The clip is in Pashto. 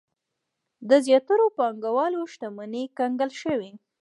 د زیاترو پانګوالو شتمنۍ کنګل شوې.